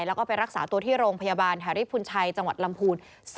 แล้วก็ไปรักษาตัวที่โรงพยาบาลหาริพุนชัยจังหวัดลำพูน